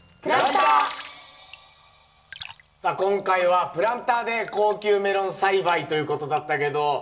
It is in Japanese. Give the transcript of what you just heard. さあ今回はプランターで高級メロン栽培ということだったけどいや